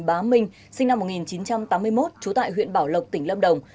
bá minh sinh năm một nghìn chín trăm tám mươi một trú tại huyện bảo lộc tỉnh lâm đồng